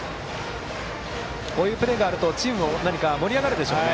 こういうプレーがあるとチームも盛り上がるでしょうね。